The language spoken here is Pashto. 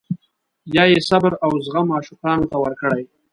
یا یې صبر او زغم عاشقانو ته ورکړی.